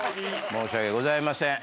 申し訳ございません。